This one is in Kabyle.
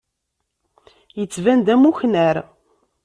Yettban-d am uknar.